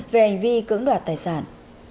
về hành vi cưỡng đoạt tài sản